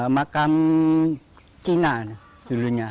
makam cina dulunya